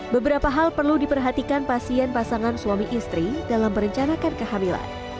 beberapa hal perlu diperhatikan pasien pasangan suami istri dalam merencanakan kehamilan